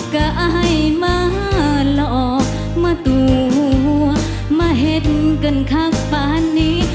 กะไอมาหลอกมาตัวมาเห็นกันคักปานนี้